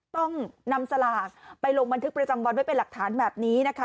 ต้องนำสลากไปลงบันทึกประจำวันไว้เป็นหลักฐานแบบนี้นะคะ